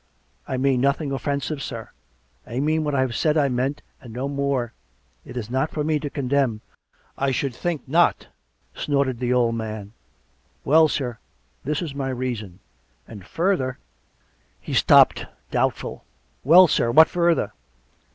I mean nothing offensive, sir; I mean what I said I meant, and no more. It is not for me to condemn "" I should think not !" snorted the old man. " Well, sir, that is my reason. And further " He stopped, doubtful. "Well, sir — what further.''"